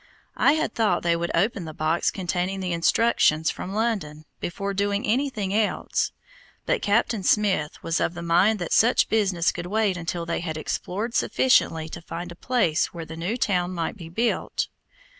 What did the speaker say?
I had thought they would open the box containing the instructions from London, before doing anything else; but Captain Smith was of the mind that such business could wait until they had explored sufficiently to find a place where the new town might be built.